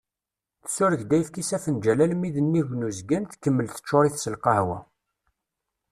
Tessureg ayefki s afenǧal almi d nnig n uzgen, tkemmel teččur-it s lqawa.